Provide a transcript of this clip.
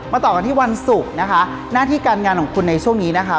ต่อกันที่วันศุกร์นะคะหน้าที่การงานของคุณในช่วงนี้นะคะ